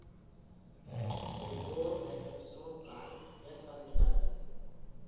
ஒரு bore மற்றும் stroke-ஆல் இயக்கம் நிகழும்.